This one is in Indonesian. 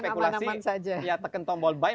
spekulasi saja ya tekan tombol buy